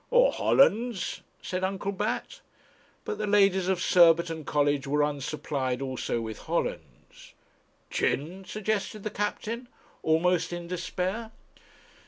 'Or Hollands?' said Uncle Bat. But the ladies of Surbiton Cottage were unsupplied also with Hollands. 'Gin?' suggested the captain, almost in despair.